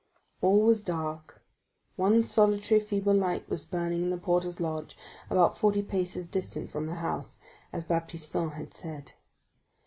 All was dark; one solitary, feeble light was burning in the porter's lodge, about forty paces distant from the house, as Baptistin had said.